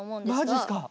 マジっすか！？